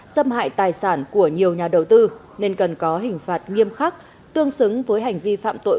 xâm hại tài sản của nhiều nhà đầu tư nên cần có hình phạt nghiêm khắc tương xứng với hành vi phạm tội